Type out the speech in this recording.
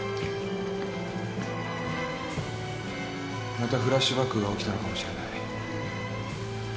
またフラッシュバックが起きたのかもしれない。